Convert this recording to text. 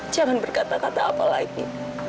jangan berkata kata apa lainnya